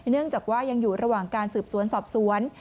เนื่องจากว่ายังอยู่ระหว่างการสืบสวนสอบสวน